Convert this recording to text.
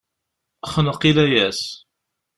Xneq i layas.